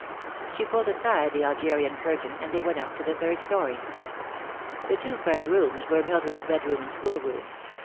She pulled aside the Algerian curtain, and they went up to the third story. The two front rooms were Mildred's bedroom and schoolroom.